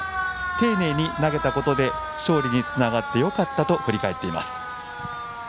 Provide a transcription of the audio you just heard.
丁寧に投げたことで勝利につながってよかったと振り返っています。